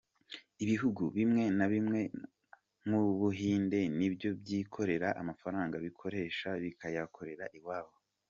Ibihugu bimwe na bimwe nk'Ubuhinde, ni byo byikorera amafaranga bikoresha, bikayakorera iwabo.